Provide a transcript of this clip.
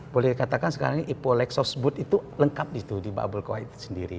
boleh dikatakan sekarang ini ipo lexosbud itu lengkap di babel khoait itu sendiri